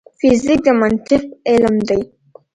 فزیک د منطق علم دی